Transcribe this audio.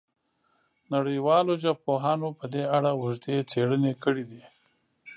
نړیوالو ژبپوهانو په دې اړه اوږدې څېړنې کړې دي.